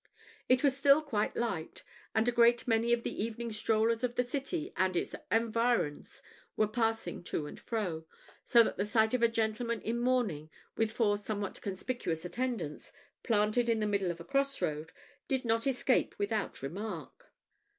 It was still quite light, and a great many of the evening strollers of the city and its environs were passing to and fro, so that the sight of a gentleman in mourning, with four somewhat conspicuous attendants, planted in the middle of a crossroad, did not escape without remark.